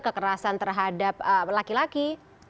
kekerasan terhadap laki laki